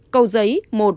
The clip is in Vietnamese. cầu giấy một